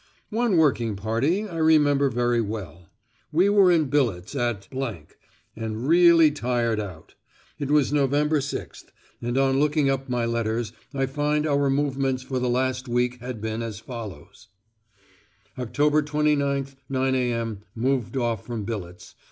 One working party I remember very well. We were in billets at , and really tired out. It was Nov. 6th, and on looking up my letters I find our movements for the last week had been as follows: Oct. 29th. 9.0 a.m. Moved off from billets.